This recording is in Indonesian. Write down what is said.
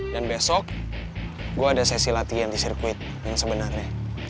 dan besok gue ada sesi latihan di sirkuit yang sebenarnya